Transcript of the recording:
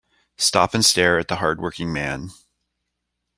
Stop and stare at the hard working man.